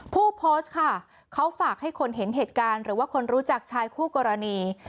ผู้โพสต์ค่ะเขาฝากให้คนเห็นเหตุการณ์หรือว่าคนรู้จักชายคู่กรณี